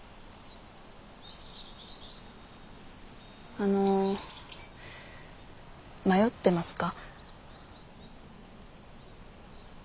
あの迷ってますか？